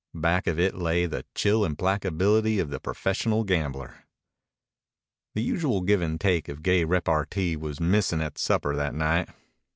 Back of it lay the chill implacability of the professional gambler. The usual give and take of gay repartee was missing at supper that night.